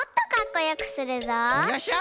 よっしゃ！